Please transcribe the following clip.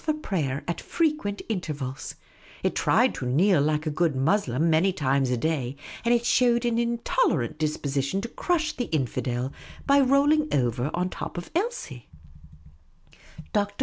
for prayer at frequent intervals ; it tried to kneel like a good Mussulman many times a day ; and it showed an intolerant disposition to crush the infidel by rolling over on top of The Unobtrusive Oasis 195 Elsie. Dr.